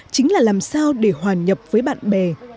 chính là làm sao để hoàn nhập với bạn bè